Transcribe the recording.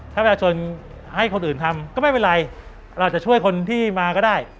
ถ้าประชาชนให้คนอื่นทำก็ไม่เป็นไรเราจะช่วยคนที่มาก็ได้